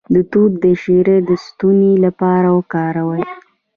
د توت شیره د ستوني لپاره وکاروئ